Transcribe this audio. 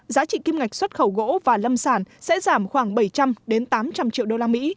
giá trị kim ngạch xuất khẩu gỗ và lâm sản sẽ giảm khoảng bảy trăm linh tám trăm linh triệu usd